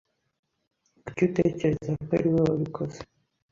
Kuki utekereza ko ari we wabikoze?